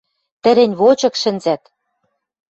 Тӹрӹнь-вочык шӹнзӓт.